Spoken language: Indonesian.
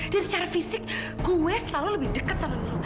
dan secara fisik gue selalu lebih dekat sama milo